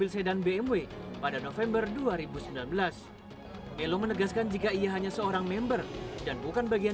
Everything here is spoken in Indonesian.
semua masih terkait